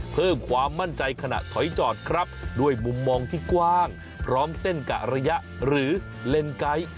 เพิ่มความมั่นใจขณะถอยจอดครับด้วยมุมมองที่กว้างพร้อมเส้นกะระยะหรือเลนไกด์